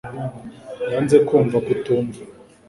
Yanze kumva kutumva